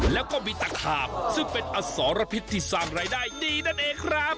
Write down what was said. แล้วก็มีตะขาบซึ่งเป็นอสรพิษที่สร้างรายได้ดีนั่นเองครับ